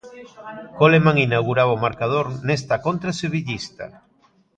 Coleman inauguraba o marcador nesta contra sevillista.